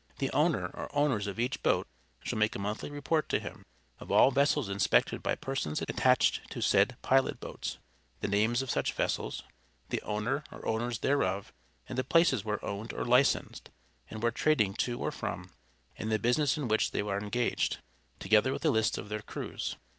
The owner or owners of each boat shall make a monthly report to him, of all vessels inspected by persons attached to said pilot boats, the names of such vessels, the owner or owners thereof, and the places where owned or licensed, and where trading to or from, and the business in which they are engaged, together with a list of their crews.